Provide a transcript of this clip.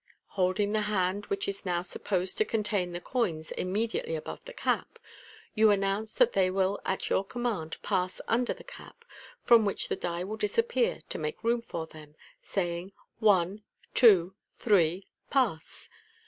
Holding the hand which is now supposed to contain the coins immediately above the cap, you announce that they will at your command pass under the cap, from which the die will disappear to make room for them. Saying, u One, two, three ! Pass